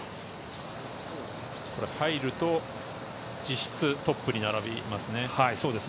これは入ると実質トップに並びますね。